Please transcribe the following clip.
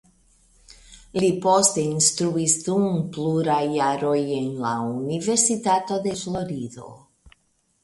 Li poste instruis dum pluraj jaroj en la Universitato de Florido.